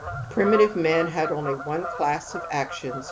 (Primitive men had only one class of actions.